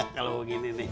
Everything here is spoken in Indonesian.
kalau begini nih